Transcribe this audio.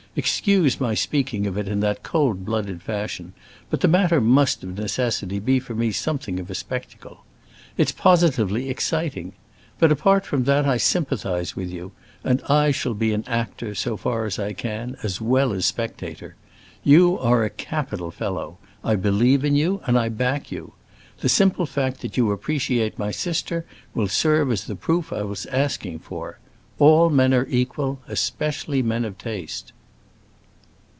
Excuse my speaking of it in that cold blooded fashion, but the matter must, of necessity, be for me something of a spectacle. It's positively exciting. But apart from that I sympathize with you, and I shall be actor, so far as I can, as well as spectator. You are a capital fellow; I believe in you and I back you. The simple fact that you appreciate my sister will serve as the proof I was asking for. All men are equal—especially men of taste!"